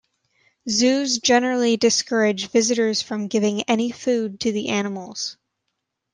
Zoos generally discourage visitors from giving any food to the animals.